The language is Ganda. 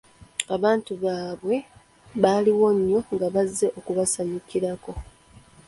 Abantu baabwe baaliwo nnyo nga bazze okubasanyukirako.